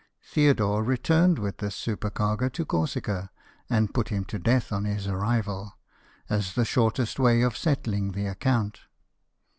Theodore returned with this supercargo to Corsica, and put him to death on his arrival, as the shortest way of settling the account.